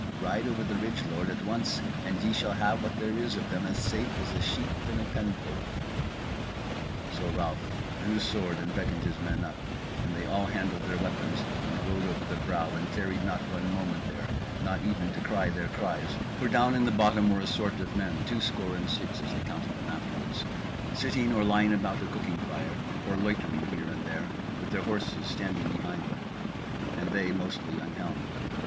Ride over the ridge, lord, at once, and ye shall have what there is of them as safe as a sheep in a penfold." So Ralph drew sword and beckoned his men up, and they all handled their weapons and rode over the brow, and tarried not one moment there, not even to cry their cries; for down in the bottom were a sort of men, two score and six (as they counted them afterward) sitting or lying about a cooking fire, or loitering here and there, with their horses standing behind them, and they mostly unhelmed.